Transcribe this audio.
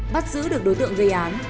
bắt giữ được đối tượng gây án